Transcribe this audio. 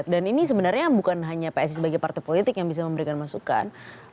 dan ini sebenarnya bukan hanya psi sebagai partai politik yang bisa memberikan masukan